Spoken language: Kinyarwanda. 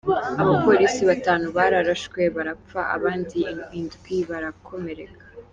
Abapolisi batanu bararashwe barapfa abandi indwi barakomereka.